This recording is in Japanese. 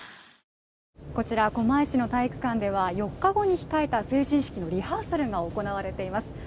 狛江市の体育館では４日後に控えた成人式のリハーサルが行われています。